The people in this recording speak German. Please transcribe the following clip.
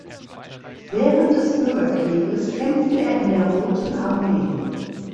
Während des Bürgerkrieges kämpfte er in der Roten Armee.